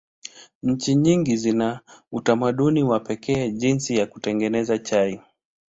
Nchi nyingi zina utamaduni wa pekee jinsi ya kutengeneza chai.